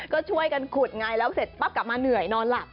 ก็ช่วยกันขุดไงแล้วเสร็จปั๊บกลับมาเหนื่อยนอนหลับ